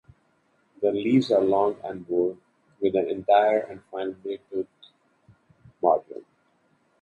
The leaves are long and broad, with an entire or finely toothed margin.